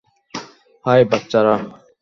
High, বাচ্চারা।